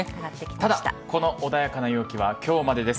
ただ、この穏やかな陽気は今日までです。